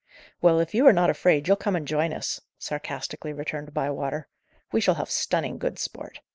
"Well, if you are not afraid, you'll come and join us," sarcastically returned Bywater. "We shall have stunning good sport.